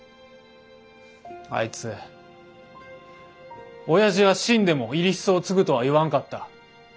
あいつおやじが死んでも入日荘を継ぐとは言わんかった。